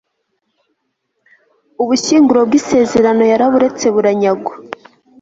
ubushyinguro bw'isezerano yaraburetse buranyagwa